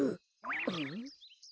うん？